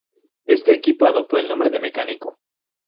Este equipo adoptó el nombre de "Mecánico".